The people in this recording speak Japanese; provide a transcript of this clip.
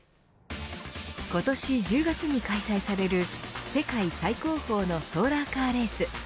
今年１０月に開催される世界最高峰のソーラーカーレース。